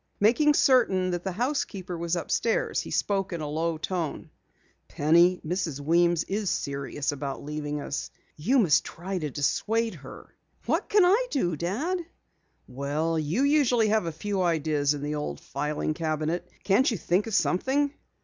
Making certain that the housekeeper was upstairs, he spoke in a low tone. "Penny, Mrs. Weems is serious about leaving us. You must try to dissuade her." "What can I do, Dad?" "Well, you usually have a few ideas in the old filing cabinet. Can't you think of something?"